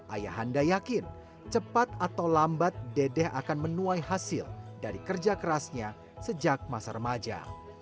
ayah handa yakin cepat atau lambat dedeh akan menuai hasil dari kerja kerasnya sejak masa remaja